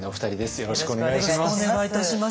よろしくお願いします。